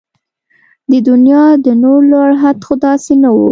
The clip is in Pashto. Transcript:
د دنيا د نور لوړ حد خو داسې نه و